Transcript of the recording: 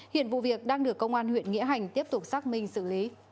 hiện vụ việc đang được công an huyện nghĩa hành tiếp tục xác minh xử lý